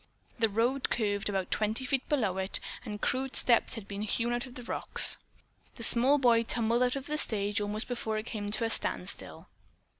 The road curved about twenty feet below it, and crude steps had been hewn out of the rocks. The small boy tumbled out of the stage almost before it came to a standstill.